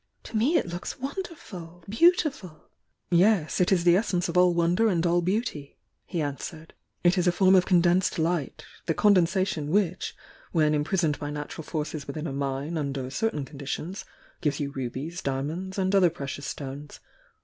"To me it looks wonderful! — beautiful!" "Yes — it is the essence of all wonder and all beau ty," he answered. "It is a form of condensed light, — the condensation which, when imprisoned by nat ural forces within a mine under certain conditions, gives you rubies, diamonds and other precious stones.